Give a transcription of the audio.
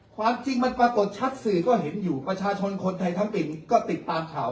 ความจริงมันปรากฏชัดสื่อก็เห็นอยู่ประชาชนคนไทยทั้งปิ่นก็ติดตามข่าว